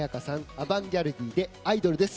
アバンギャルディで「アイドル」です。